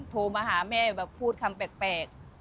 โทรมาหาแม่แบบพูดคำแปลก